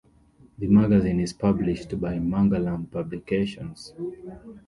The magazine is published by Mangalam Publications.